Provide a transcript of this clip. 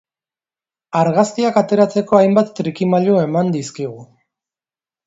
Argazkiak ateratzeko hainbat trikimailu eman dizkigu.